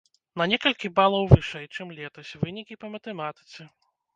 На некалькі балаў вышэй, чым летась, вынікі па матэматыцы.